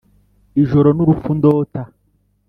ijoro n'urupfu ndota;